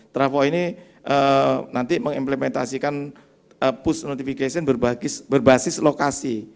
travoy ini nanti mengimplementasikan push notification berbasis lokasi